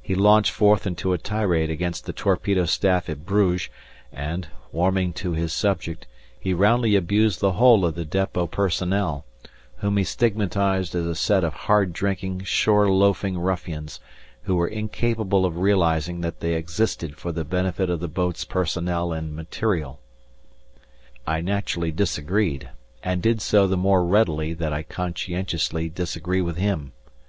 He launched forth into a tirade against the torpedo staff at Bruges, and, warming to his subject, he roundly abused the whole of the depot personnel, whom he stigmatized as a set of hard drinking, shore loafing ruffians, who were incapable of realizing that they existed for the benefit of the boats' personnel and "material." I naturally disagreed, and did so the more readily that I conscientiously disagree with him.